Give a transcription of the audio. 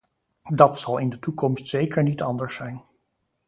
Dat zal in de toekomst zeker niet anders zijn.